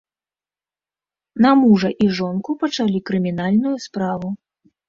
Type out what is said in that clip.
На мужа і жонку пачалі крымінальную справу.